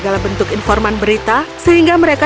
kurang berputar multiple timehouse tiga apa lagi